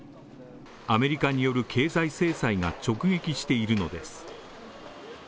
アメリカによる経済制裁が直撃しているのです。